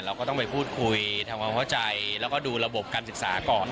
เราก็ต้องไปพูดคุยทำความเข้าใจแล้วก็ดูระบบการศึกษาก่อน